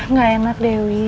nggak enak dewi